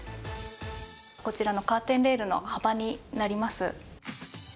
こちらのカーテンレールの幅になります。